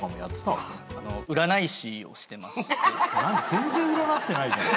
全然占ってないじゃん。